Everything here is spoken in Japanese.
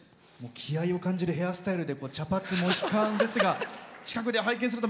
気合いを感じるヘアスタイルで茶髪、モヒカンですが近くで拝見すると